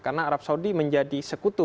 karena arab saudi menjadi sekutu